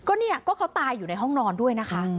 ก็เนี่ยก็เขาตายอยู่ในห้องนอนด้วยนะคะ